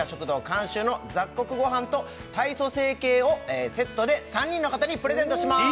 監修の雑穀ごはんと体組成計をセットで３人の方にプレゼントします